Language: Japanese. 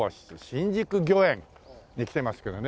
新宿御苑に来てますけどね